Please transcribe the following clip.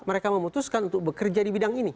mereka memutuskan untuk bekerja di bidang ini